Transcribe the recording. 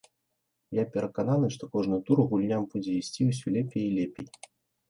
Я перакананы, што кожны тур гульня будзе ісці ўсё лепей і лепей.